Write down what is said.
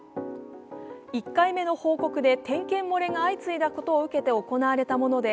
１回目の報告で点検漏れが相次いだことを受けて行われたもので、